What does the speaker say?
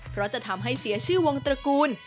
เพราะจะทำให้เสียชื่อวงตระกูล